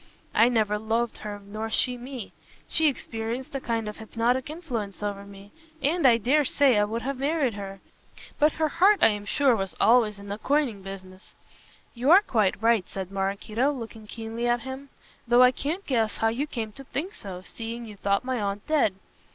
I never loved her nor she me. She exercised a kind of hypnotic influence over me, and I dare say I would have married her. But her heart I am sure was always in the coining business." "You are quite right," said Maraquito, looking keenly at him, "though I can't guess how you came to think so, seeing you thought my aunt dead.